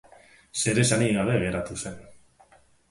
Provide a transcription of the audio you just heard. Zer esanik gabe geratu zen.